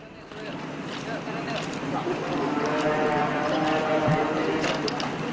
dua pekerja tewas di tempat